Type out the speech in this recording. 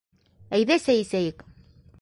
Әйҙә, сәй эсәйек.